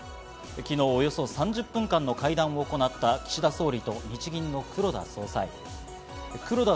続いては日本銀行の総裁が急昨日、およそ３０分間の会談を行った岸田総理と日銀の黒田総裁。